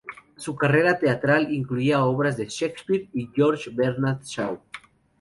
Su carrera teatral incluía obras de Shakespeare y de George Bernard Shaw.